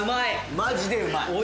マジでうまい。